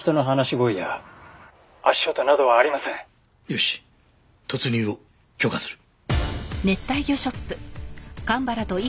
よし突入を許可する。